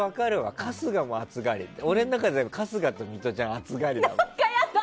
春日も暑がりだけど俺の中で春日とミトちゃん暑がりだもん。